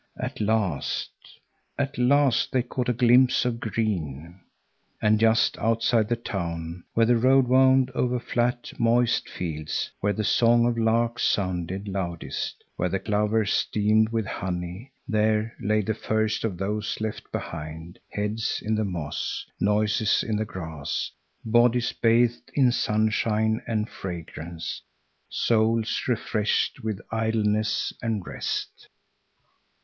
At last, at last they caught a glimpse of green. And just outside of the town, where the road wound over flat, moist fields, where the song of the lark sounded loudest, where the clover steamed with honey, there lay the first of those left behind; heads in the moss, noses in the grass. Bodies bathed in sunshine and fragrance, souls refreshed with idleness and rest.